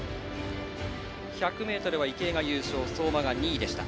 １００ｍは池江が優勝相馬が２位でした。